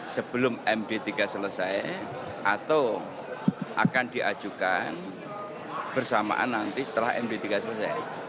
sebelum md tiga selesai atau akan diajukan bersamaan nanti setelah md tiga selesai